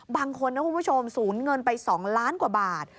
บางคนนะคุณผู้ชมสูญเงินไป๒ล้านกว่าบาท